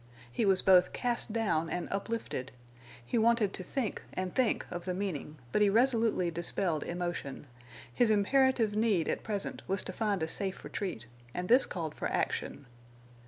He was both cast down and uplifted. He wanted to think and think of the meaning, but he resolutely dispelled emotion. His imperative need at present was to find a safe retreat, and this called for action.